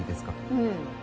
うん。